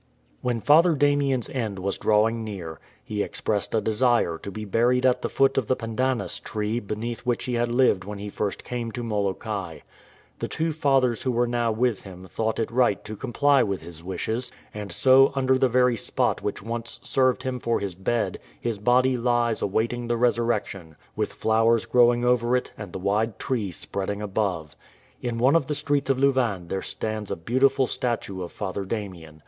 When Father Damien's end was drawing near, he ex pressed a desire to be buried at the foot of the pandanus tree beneath which he had lived when he first came to Molokai. The two fathers who were now with him thought it right to comply with his wishes ; and so unde: the very spot which once served him for his bed his body lies awaiting the Resurrection, with flowers growing over it and the wide tree spreading above. In one of the streets of Lou vain there stands a beautiful statue of Father Damien.